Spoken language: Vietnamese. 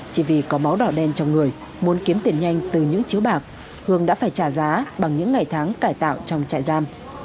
chỉ vì có máu đỏ đen trong người muốn kiếm tiền nhanh từ những chiếu bạc hương đã phải trả giá bằng những ngày tháng cải tạo trong trại giam